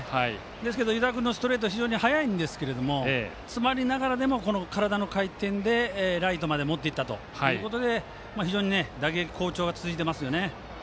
ですけど、湯田君のストレート非常に速いんですけれども詰まりながらでも、体の回転でライトまで持っていったということで非常に打撃好調が続いていますよね。